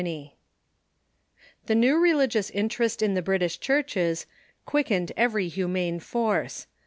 ] The new religious interest in the British churches quick ened every humane force.